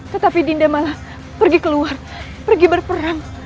tetapi dinda malah pergi keluar pergi berperang